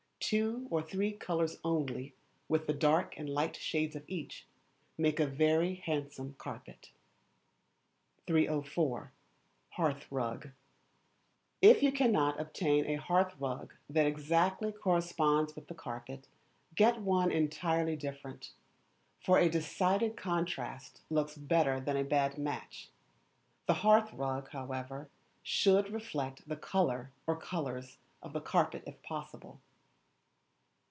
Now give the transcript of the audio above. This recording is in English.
Two or three colours only, with the dark and light shades of each, make a very handsome carpet. 304. Hearth Rug. If you cannot obtain a Hearth rug that exactly corresponds with the carpet, get one entirely different; for a decided contrast looks better than a bad match. The hearth rug, however, should reflect the colour or colours of the carpet if possible.